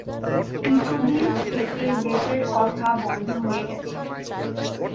কিছুদিন থেকে দেশের কথা বন্ধ হয়ে গেছে।